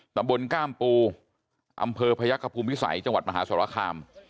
ตำบลก้ามปูอำเภอพพภิษัยจังหวัดมหาศรษภาพ